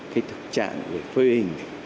cái thực trạng về phơi hình